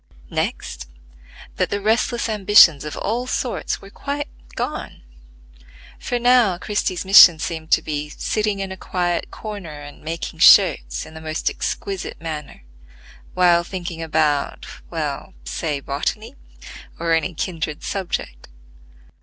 Next, that the restless ambitions of all sorts were quite gone; for now Christie's mission seemed to be sitting in a quiet corner and making shirts in the most exquisite manner, while thinking about—well, say botany, or any kindred subject.